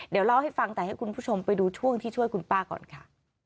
เดี๋ยวเล่าให้ฟังแต่ให้คุณผู้ชมไปดูช่วงที่ช่วยคุณป้าก่อนค่ะ